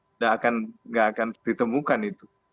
tidak akan ditemukan itu